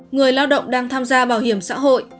người lao động đang tham gia bảo hiểm xã hội